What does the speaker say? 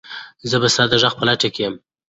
زه به ستا د غږ په لټه کې یم.